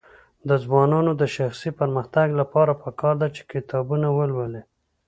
د ځوانانو د شخصي پرمختګ لپاره پکار ده چې کتابونه ولولي.